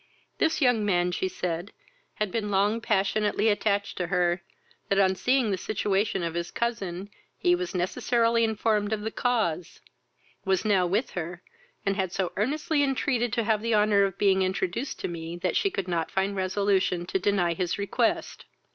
This young man, she said, had been long passionately attached to her; that on seeing the situation of his cousin, he was necessarily informed of the cause, was now with her, and had so earnestly entreated to have the honour of being introduced to me, that she could not find resolution to deny his request.